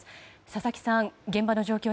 佐々木さん、現場の状況